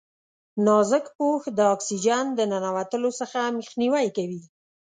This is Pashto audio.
نازک پوښ د اکسیجن د ننوتلو څخه مخنیوی کوي.